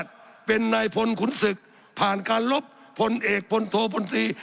สับขาหลอกกันไปสับขาหลอกกันไป